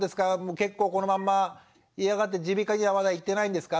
結構このまんま嫌がって耳鼻科にはまだ行ってないんですか？